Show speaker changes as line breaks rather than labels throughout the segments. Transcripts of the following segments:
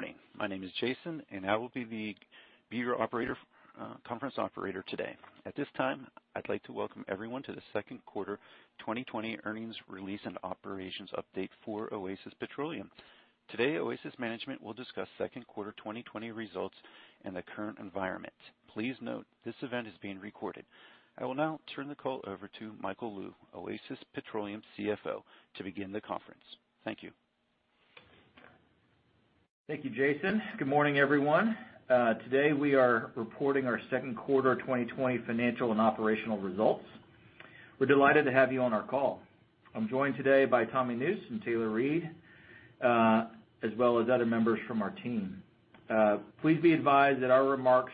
Good morning. My name is Jason, and I will be your conference operator today. At this time, I'd like to welcome everyone to the second quarter 2020 earnings release and operations update for Oasis Petroleum. Today, Oasis management will discuss second quarter 2020 results and the current environment. Please note this event is being recorded. I will now turn the call over to Michael Lou, Oasis Petroleum CFO, to begin the conference. Thank you.
Thank you, Jason. Good morning, everyone. Today, we are reporting our second quarter 2020 financial and operational results. We're delighted to have you on our call. I'm joined today by Tommy Nusz and Taylor Reid, as well as other members from our team. Please be advised that our remarks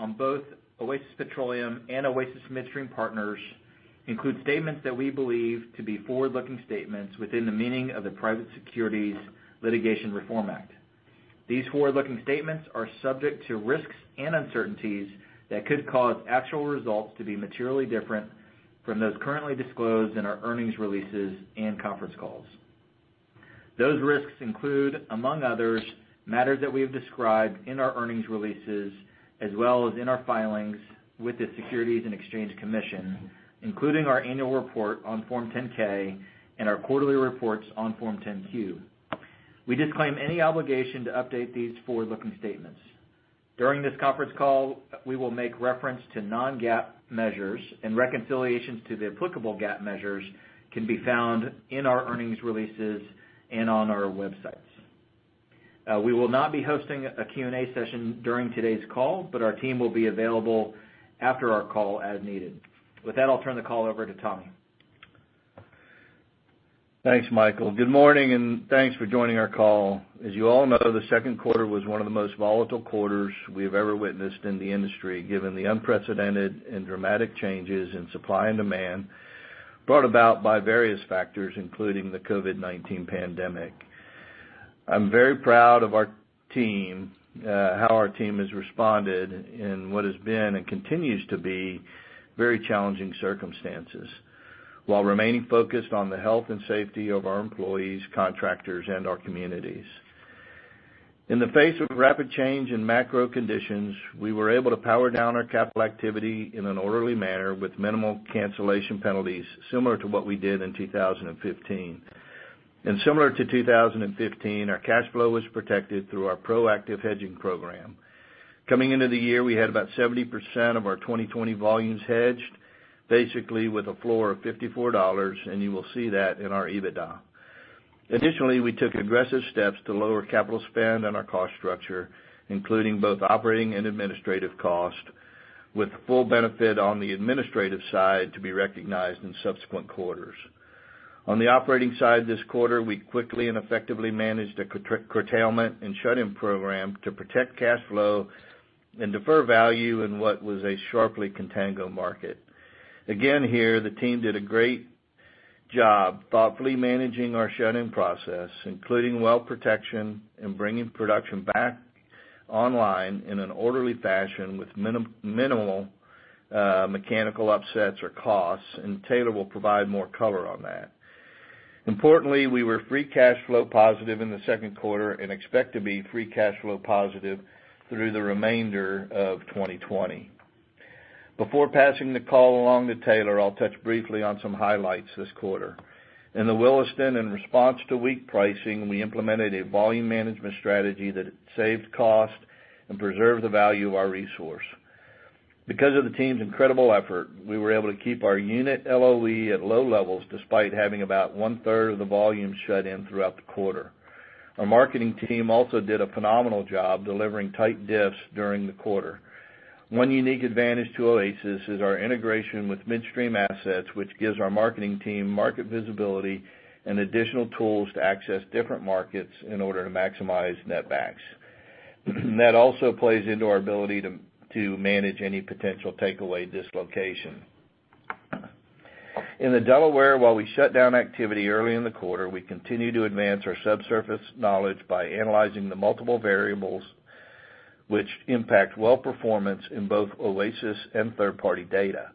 on both Oasis Petroleum and Oasis Midstream Partners include statements that we believe to be forward-looking statements within the meaning of the Private Securities Litigation Reform Act. These forward-looking statements are subject to risks and uncertainties that could cause actual results to be materially different from those currently disclosed in our earnings releases and conference calls. Those risks include, among others, matters that we have described in our earnings releases, as well as in our filings with the Securities and Exchange Commission, including our annual report on Form 10-K and our quarterly reports on Form 10-Q. We disclaim any obligation to update these forward-looking statements. During this conference call, we will make reference to Non-GAAP measures and reconciliations to the applicable GAAP measures can be found in our earnings releases and on our websites. We will not be hosting a Q&A session during today's call, but our team will be available after our call as needed. With that, I'll turn the call over to Tommy.
Thanks, Michael Lou. Good morning, and thanks for joining our call. As you all know, the second quarter was one of the most volatile quarters we have ever witnessed in the industry, given the unprecedented and dramatic changes in supply and demand brought about by various factors, including the COVID-19 pandemic. I'm very proud of our team, how our team has responded in what has been and continues to be very challenging circumstances while remaining focused on the health and safety of our employees, contractors, and our communities. In the face of rapid change in macro conditions, we were able to power down our capital activity in an orderly manner with minimal cancellation penalties, similar to what we did in 2015. Similar to 2015, our cash flow was protected through our proactive hedging program. Coming into the year, we had about 70% of our 2020 volumes hedged, basically with a floor of $54, and you will see that in our EBITDA. Additionally, we took aggressive steps to lower capital spend and our cost structure, including both operating and administrative cost, with full benefit on the administrative side to be recognized in subsequent quarters. On the operating side this quarter, we quickly and effectively managed a curtailment and shut-in program to protect cash flow and defer value in what was a sharply contango market. Again, here, the team did a great job thoughtfully managing our shut-in process, including well protection and bringing production back online in an orderly fashion with minimal mechanical upsets or costs, and Taylor will provide more color on that. Importantly, we were free cash flow positive in the second quarter and expect to be free cash flow positive through the remainder of 2020. Before passing the call along to Taylor, I'll touch briefly on some highlights this quarter. In the Williston, in response to weak pricing, we implemented a volume management strategy that saved cost and preserved the value of our resource. Because of the team's incredible effort, we were able to keep our unit LOE at low levels, despite having about one-third of the volume shut in throughout the quarter. Our marketing team also did a phenomenal job delivering tight diffs during the quarter. One unique advantage to Oasis is our integration with midstream assets, which gives our marketing team market visibility and additional tools to access different markets in order to maximize netbacks. That also plays into our ability to manage any potential takeaway dislocation. In the Delaware, while we shut down activity early in the quarter, we continued to advance our subsurface knowledge by analyzing the multiple variables which impact well performance in both Oasis and third-party data.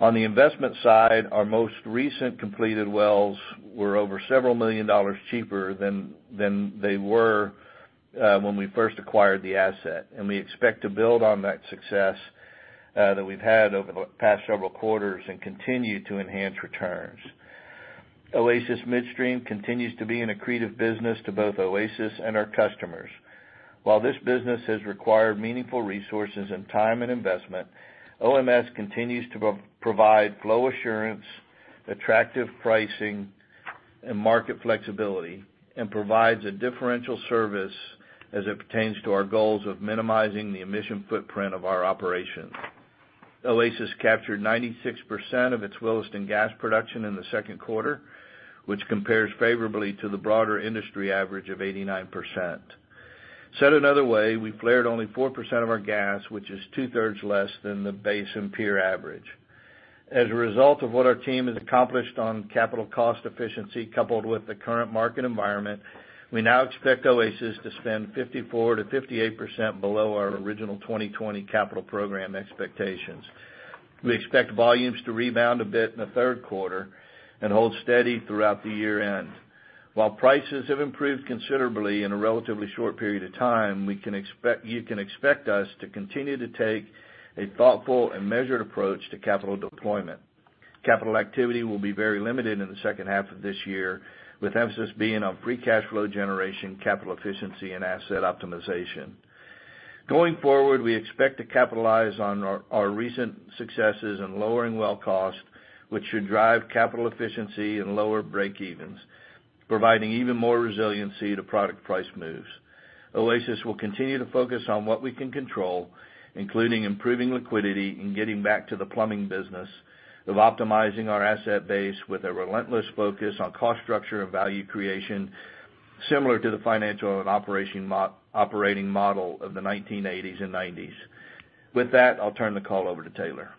On the investment side, our most recent completed wells were over several million dollars cheaper than they were when we first acquired the asset. We expect to build on that success that we've had over the past several quarters and continue to enhance returns. Oasis Midstream continues to be an accretive business to both Oasis and our customers. While this business has required meaningful resources and time and investment, OMS continues to provide flow assurance, attractive pricing, and market flexibility, and provides a differential service as it pertains to our goals of minimizing the emission footprint of our operations. Oasis captured 96% of its Williston gas production in the second quarter, which compares favorably to the broader industry average of 89%. Said another way, we flared only 4% of our gas, which is two-thirds less than the basin peer average. As a result of what our team has accomplished on capital cost efficiency, coupled with the current market environment, we now expect Oasis to spend 54%-58% below our original 2020 capital program expectations. We expect volumes to rebound a bit in the third quarter and hold steady throughout the year-end. While prices have improved considerably in a relatively short period of time, you can expect us to continue to take a thoughtful and measured approach to capital deployment. Capital activity will be very limited in the second half of this year, with emphasis being on free cash flow generation, capital efficiency and asset optimization. Going forward, we expect to capitalize on our recent successes in lowering well cost, which should drive capital efficiency and lower breakevens, providing even more resiliency to product price moves. Oasis will continue to focus on what we can control, including improving liquidity and getting back to the plumbing business of optimizing our asset base with a relentless focus on cost structure and value creation, similar to the financial and operating model of the 1980s and 1990s. With that, I'll turn the call over to Taylor.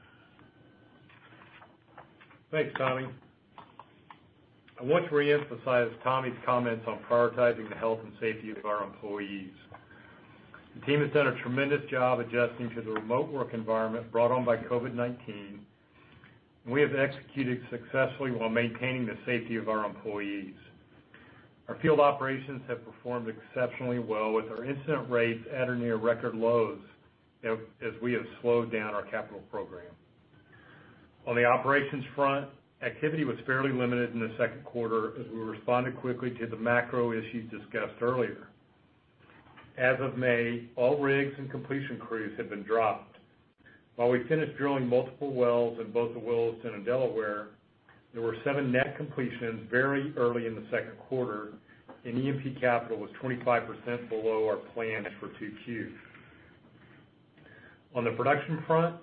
Thanks, Tommy. I want to reemphasize Tommy's comments on prioritizing the health and safety of our employees. The team has done a tremendous job adjusting to the remote work environment brought on by COVID-19, and we have executed successfully while maintaining the safety of our employees. Our field operations have performed exceptionally well with our incident rates at or near record lows, as we have slowed down our capital program. On the operations front, activity was fairly limited in the second quarter as we responded quickly to the macro issues discussed earlier. As of May, all rigs and completion crews had been dropped. While we finished drilling multiple wells in both the Williston and Delaware, there were seven net completions very early in the second quarter, and E&P capital was 25% below our plan for Q2. On the production front,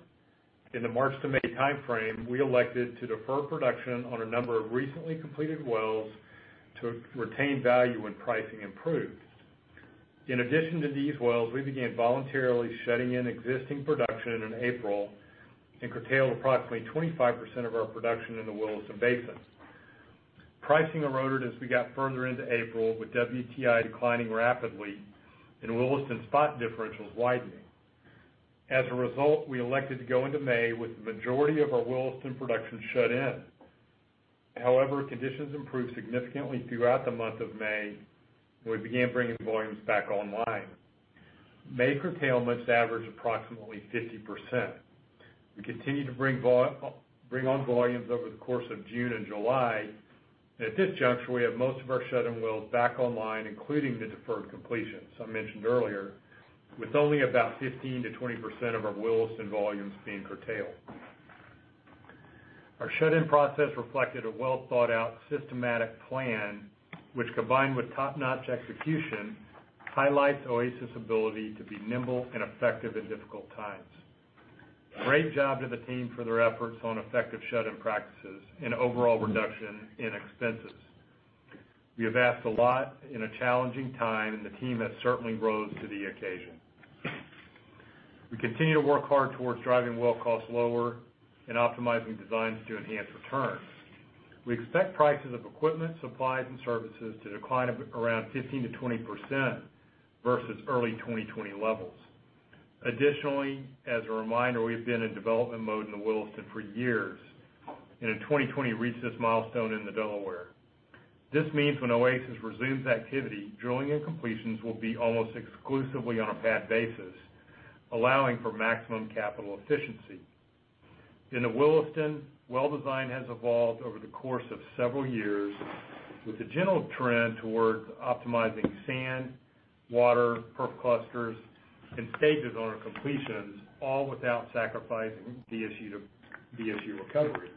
in the March to May timeframe, we elected to defer production on a number of recently completed wells to retain value when pricing improved. In addition to these wells, we began voluntarily shutting in existing production in April, and curtailed approximately 25% of our production in the Williston Basin. Pricing eroded as we got further into April, with WTI declining rapidly and Williston spot differentials widening. As a result, we elected to go into May with the majority of our Williston production shut in. However, conditions improved significantly throughout the month of May, and we began bringing volumes back online. May curtailments averaged approximately 50%. We continued to bring on volumes over the course of June and July, at this juncture, we have most of our shut-in wells back online, including the deferred completions I mentioned earlier, with only about 15%-20% of our Williston volumes being curtailed. Our shut-in process reflected a well-thought-out, systematic plan, which combined with top-notch execution, highlights Oasis' ability to be nimble and effective in difficult times. Great job to the team for their efforts on effective shut-in practices and overall reduction in expenses. We have asked a lot in a challenging time, the team has certainly rose to the occasion. We continue to work hard towards driving well costs lower and optimizing designs to enhance returns. We expect prices of equipment, supplies, and services to decline around 15%-20% versus early 2020 levels. Additionally, as a reminder, we've been in development mode in the Williston for years and in 2020 reached this milestone in the Delaware. This means when Oasis resumes activity, drilling and completions will be almost exclusively on a pad basis, allowing for maximum capital efficiency. In the Williston, well design has evolved over the course of several years with a general trend towards optimizing sand, water, perf clusters, and stages on our completions, all without sacrificing the issue to BSD recovery.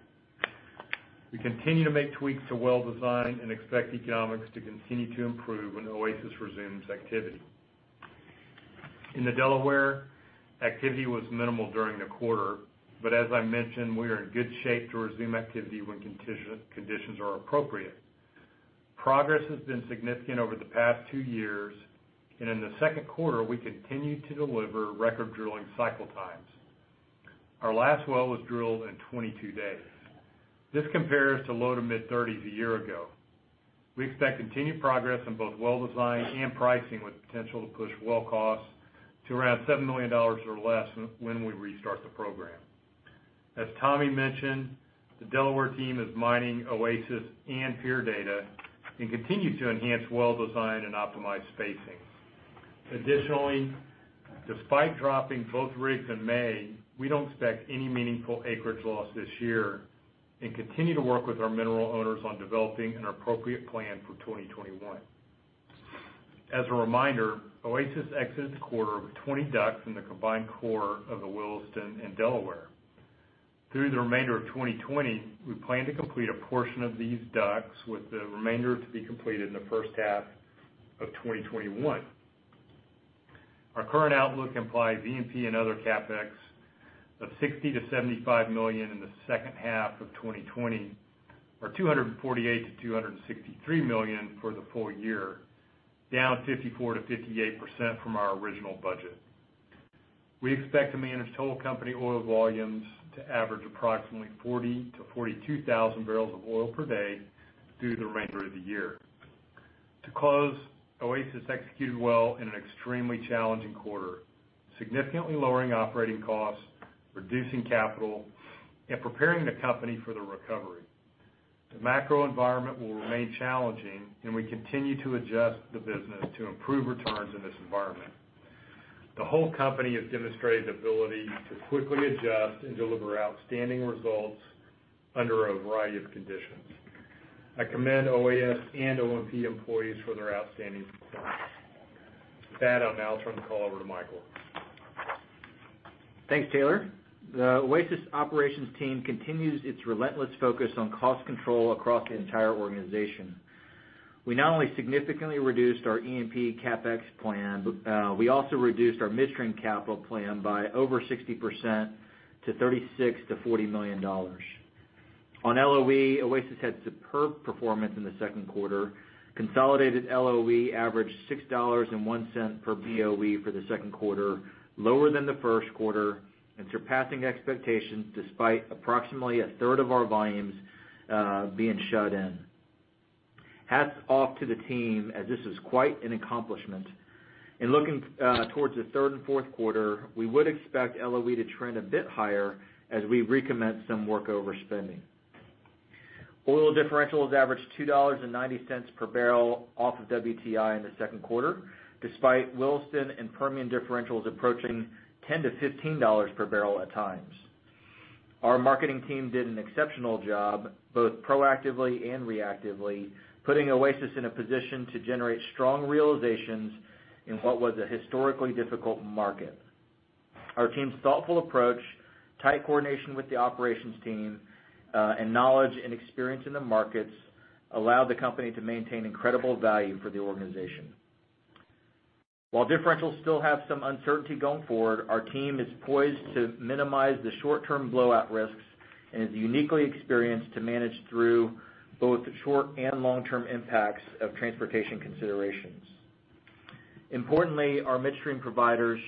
We continue to make tweaks to well design and expect economics to continue to improve when Oasis resumes activity. In the Delaware, activity was minimal during the quarter, but as I mentioned, we are in good shape to resume activity when conditions are appropriate. Progress has been significant over the past two years, and in the second quarter, we continued to deliver record drilling cycle times. Our last well was drilled in 22 days. This compares to low to mid-30s a year ago. We expect continued progress on both well design and pricing, with potential to push well costs to around $7 million or less when we restart the program. As Tommy mentioned, the Delaware team is mining Oasis and peer data and continue to enhance well design and optimize spacings. Additionally, despite dropping both rigs in May, we don't expect any meaningful acreage loss this year and continue to work with our mineral owners on developing an appropriate plan for 2021. As a reminder, Oasis exits the quarter with 20 DUCs in the combined core of the Williston and Delaware. Through the remainder of 2020, we plan to complete a portion of these DUCs, with the remainder to be completed in the first half of 2021. Our current outlook implies E&P and other CapEx of $60 million-$75 million in the second half of 2020, or $248 million-$263 million for the full year, down 54%-58% from our original budget. We expect to manage total company oil volumes to average approximately 40,000-42,000 barrels of oil per day through the remainder of the year. To close, Oasis executed well in an extremely challenging quarter, significantly lowering operating costs, reducing capital, and preparing the company for the recovery. The macro environment will remain challenging. We continue to adjust the business to improve returns in this environment. The whole company has demonstrated the ability to quickly adjust and deliver outstanding results under a variety of conditions. I commend OAS and OMP employees for their outstanding performance. With that, I'll now turn the call over to Michael.
Thanks, Taylor. The Oasis operations team continues its relentless focus on cost control across the entire organization. We not only significantly reduced our E&P CapEx plan, we also reduced our midstream capital plan by over 60% to $36 million-$40 million. On LOE, Oasis had superb performance in the second quarter. Consolidated LOE averaged $6.01 per BOE for the second quarter, lower than the first quarter and surpassing expectations despite approximately a third of our volumes being shut in. Hats off to the team, as this is quite an accomplishment. In looking towards the third and fourth quarter, we would expect LOE to trend a bit higher as we recommence some workover spending. Oil differentials averaged $2.90 per barrel off of WTI in the second quarter, despite Williston and Permian differentials approaching $10 per barrel-$15 per barrel at times. Our marketing team did an exceptional job, both proactively and reactively, putting Oasis in a position to generate strong realizations in what was a historically difficult market. Our team's thoughtful approach, tight coordination with the operations team, and knowledge and experience in the markets allowed the company to maintain incredible value for the organization. While differentials still have some uncertainty going forward, our team is poised to minimize the short-term blowout risks and is uniquely experienced to manage through both the short and long-term impacts of transportation considerations. Importantly, our midstream providers,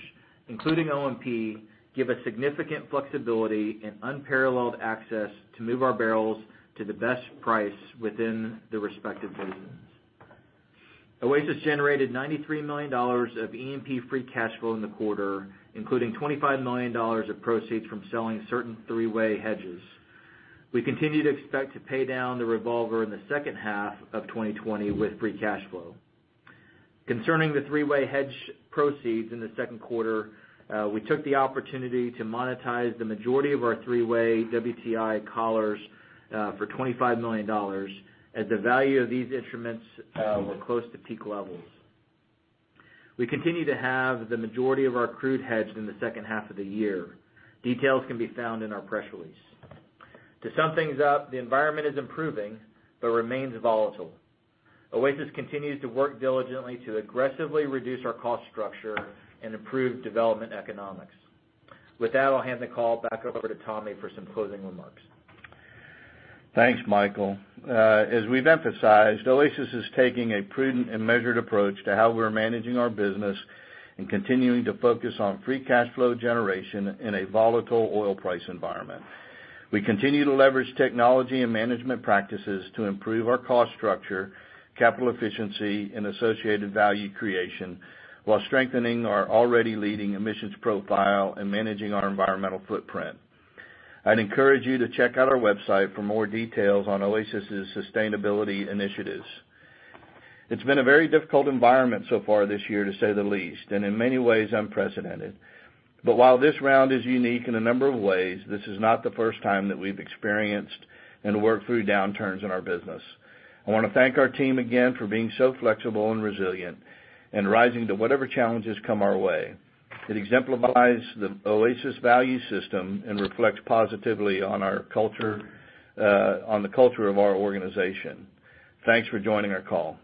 including OMP, give us significant flexibility and unparalleled access to move our barrels to the best price within the respective basins. Oasis generated $93 million of E&P free cash flow in the quarter, including $25 million of proceeds from selling certain three-way hedges. We continue to expect to pay down the revolver in the second half of 2020 with free cash flow. Concerning the three-way hedge proceeds in the second quarter, we took the opportunity to monetize the majority of our three-way WTI collars for $25 million, as the value of these instruments were close to peak levels. We continue to have the majority of our crude hedged in the second half of the year. Details can be found in our press release. To sum things up, the environment is improving but remains volatile. Oasis continues to work diligently to aggressively reduce our cost structure and improve development economics. With that, I'll hand the call back over to Tommy for some closing remarks.
Thanks, Michael Lou. As we've emphasized, Oasis is taking a prudent and measured approach to how we're managing our business and continuing to focus on free cash flow generation in a volatile oil price environment. We continue to leverage technology and management practices to improve our cost structure, capital efficiency, and associated value creation while strengthening our already leading emissions profile and managing our environmental footprint. I'd encourage you to check out our website for more details on Oasis's sustainability initiatives. It's been a very difficult environment so far this year, to say the least, and in many ways unprecedented. While this round is unique in a number of ways, this is not the first time that we've experienced and worked through downturns in our business. I want to thank our team again for being so flexible and resilient and rising to whatever challenges come our way. It exemplifies the Oasis value system and reflects positively on the culture of our organization. Thanks for joining our call.